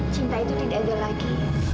cinta itu tidak ada lagi